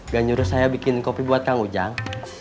gak nyuruh saya bikin kopi buat kang ujang